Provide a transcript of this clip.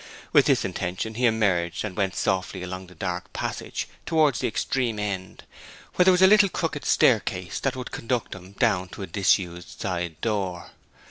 With this intention he emerged and went softly along the dark passage towards the extreme end, where there was a little crooked staircase that would conduct him down to a disused side door.